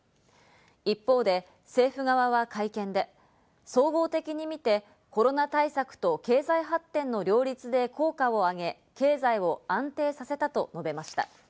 一方で政府側は会見で、総合的にみてコロナ対策と経済発展の両立で効果を上げ、経済を安定させたと述べました。